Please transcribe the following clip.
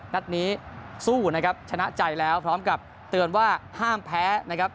นัดนี้สู้นะครับชนะใจแล้วพร้อมกับเตือนว่าห้ามแพ้นะครับ